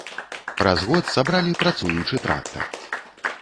Праз год сабралі працуючы трактар.